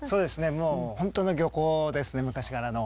もう、本当の漁港ですね、昔からの。